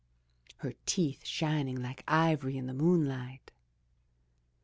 '* her teeth shining like ivory in the moonlight.